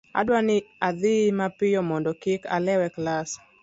adwa ni adhi mapiyo mondo kik alew e klas